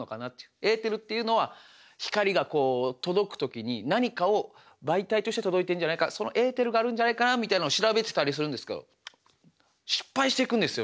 エーテルっていうのは光がこう届く時に何かを媒体として届いてるんじゃないかそのエーテルがあるんじゃないかなみたいなのを調べてたりするんですけど失敗していくんですよ